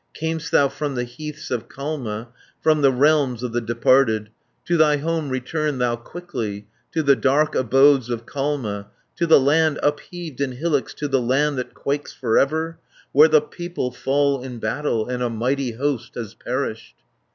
"Cam'st thou from the heaths of Kalma, From the realms of the departed, To thy home return thou quickly, To the dark abodes of Kalma, 380 To the land upheaved in hillocks, To the land that quakes for ever, Where the people fall in battle, And a mighty host has perished.